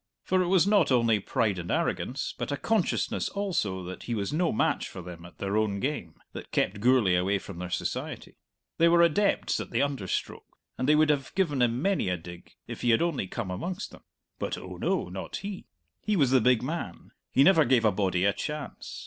For it was not only pride and arrogance, but a consciousness also that he was no match for them at their own game, that kept Gourlay away from their society. They were adepts at the under stroke, and they would have given him many a dig if he had only come amongst them. But, oh no, not he; he was the big man; he never gave a body a chance!